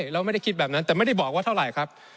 เราไม่ได้คิดแบบนั้นแต่ไม่ได้บอกว่าเท่าไหร่ครับ